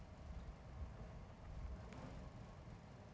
sebelum jam ke enam iran mengejar dari permukaan